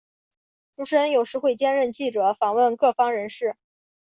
主持人有时会兼任记者访问各方人士。